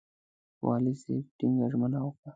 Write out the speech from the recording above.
والي صاحب ټینګه ژمنه وکړه.